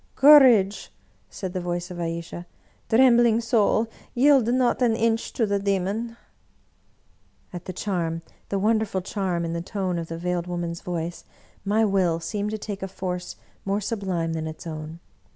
" Courage !" said the voice of Ayesha. " Trembling soul, yield not an inch to the demon !" At the charm, the wonderful charm, in the tone of the Veiled Woman's voice, my will seemed to take a force more sublime than its own.